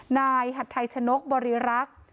หัดไทยชนกบริรักษ์